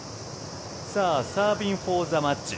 サービンフォーザマッチ。